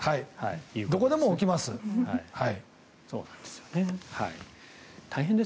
どこでも起きます。